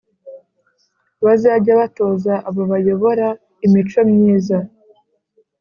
bazajye batoza abo bayobora imico myiza,